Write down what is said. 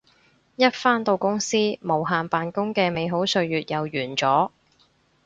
一返到公司無限扮工嘅美好歲月又完咗